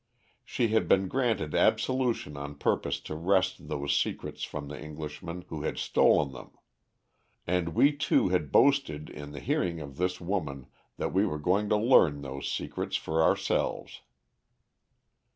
She had been granted absolution on purpose to wrest those secrets from the Englishman who had stolen them. And we two had boasted in the hearing of this woman that we were going to learn those secrets for ourselves.